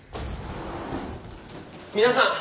皆さん！